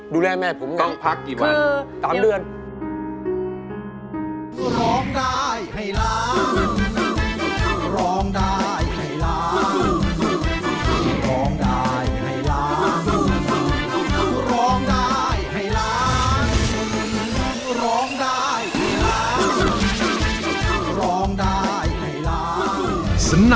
ดูแลแม่ผมเนี่ยต้องพักกี่วัน